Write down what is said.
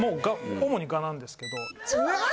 主に蛾なんですけど。